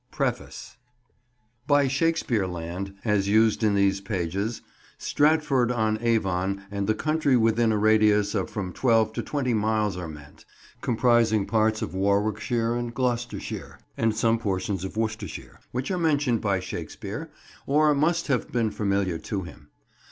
PREFACE BY "Shakespeare Land," as used in these pages, Stratford on Avon and the country within a radius of from twelve to twenty miles are meant; comprising parts of Warwickshire and Gloucestershire, and some portions of Worcestershire which are mentioned by Shakespeare, or must have been familiar to him.